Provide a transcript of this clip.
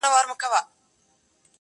قصیدو ته ځان تیار کړ شاعرانو!.